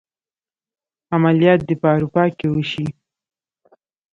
عملیات دې په اروپا کې وشي.